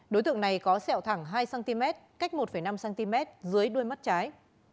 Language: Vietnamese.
đối tượng này có sẹo thẳng hai cm cách một năm cm dưới đuôi mắt trái